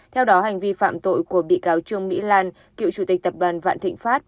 hành vi phạm tội của bị cáo trương mỹ lan cựu chủ tịch tập đoàn phạn thịnh pháp